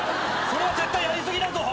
それは絶対やり過ぎだぞ。